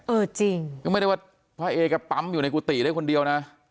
เออจริงก็ไม่ได้ว่าพระเอกปั๊มอยู่ในกุฏิได้คนเดียวนะ